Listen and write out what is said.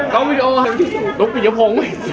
กล้องวิดีโอลูกปิดอย่าพง